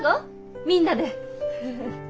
みんなで。